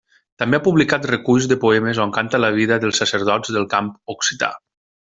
També ha publicat reculls de poemes on canta la vida dels sacerdots del camp occità.